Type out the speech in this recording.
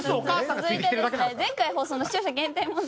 続いて、前回放送の視聴者限定問題